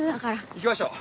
行きましょう。